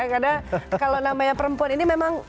karena kalau namanya perempuan ini memang